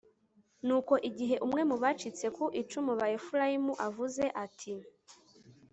nuko igihe umwe mu bacitse ku icumu ba efurayimu avuze ati